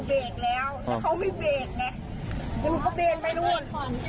แล้วเขาไม่เบรกดูก็เบนไปร่วม